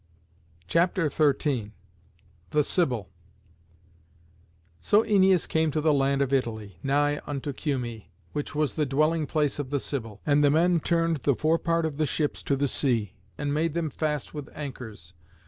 CHAPTER XIII. THE SIBYL. So Æneas came to the land of Italy, nigh unto Cumæ, which was the dwelling place of the Sibyl. And the men turned the forepart of the ships to the sea, and made them fast with anchors.